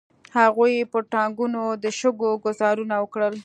هغوی پر ټانګونو د شګو ګوزارونه وکړل.